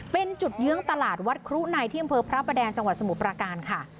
เป็นจุดเยื้องตลาดวัดครุในที่อำเภอพระประแดงจังหวัดสมุทรประการค่ะ